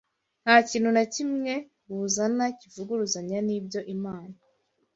nta kintu na kimwe buzana kivuguruzanya n’ibyo Imana